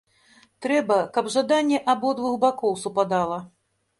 Трэба, каб жаданне абодвух бакоў супадала.